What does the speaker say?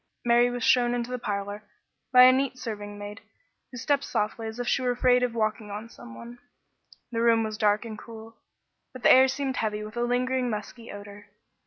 Mary was shown into the parlor by a neat serving maid, who stepped softly as if she were afraid of waking some one. The room was dark and cool, but the air seemed heavy with a lingering musky odor.